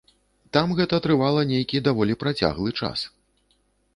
Там гэта трывала нейкі даволі працяглы час.